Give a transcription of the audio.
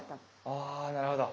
あなるほど。